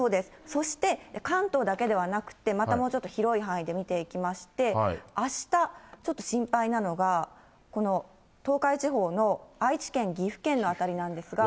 そして関東だけではなくて、またもうちょっと広い範囲で見ていきまして、あした、ちょっと心配なのが、この東海地方の愛知県、岐阜県の辺りなんですが。